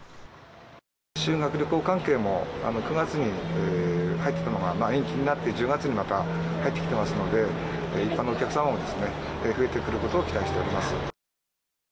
修学旅行関係も９月に入ってたのが延期になって１０月にまた入ってきてますので、一般のお客さんも増えてくることを期待しております。